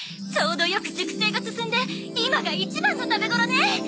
ちょうどよく熟成が進んで今が一番の食べ頃ね！